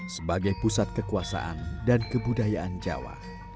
sebagai pusat kekuasaan dan kebudayaan jawa